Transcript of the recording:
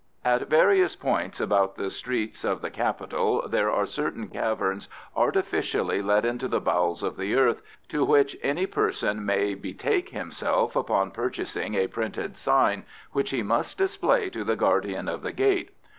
At various points about the streets of the Capital there are certain caverns artificially let into the bowels of the earth, to which any person may betake himself upon purchasing a printed sign which he must display to the guardian of the gate.